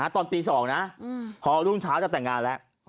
ตอนตี๒นะพอรุ่งเช้าจะแต่งงานแล้ว